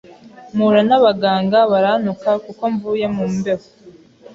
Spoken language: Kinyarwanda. mpura n’abaganga barantuka kuko mvuye mu mbeho,